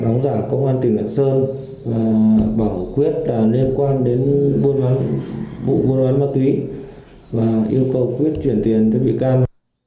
đóng giả công an tỉnh lạc sơn bảo quyết liên quan đến vụ buôn bán mắc túy và yêu cầu quyết chuyển tiền cho vị can